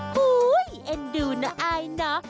ฮู้ยเอ็นดูนะอายนะ